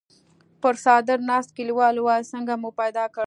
پر څادر ناست کليوال وويل: څنګه مو پيدا کړ؟